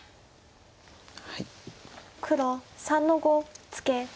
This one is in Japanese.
黒３の五ツケ。